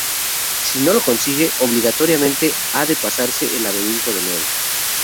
Si no lo consigue, obligatoriamente, ha de pasarse el laberinto de nuevo.